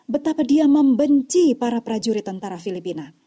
betapa dia membenci para prajurit tentara filipina